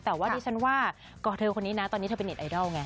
ตลอดที่ฉันว่าก่อนนี้นะเธอเป็นเด็ดไอดัลไง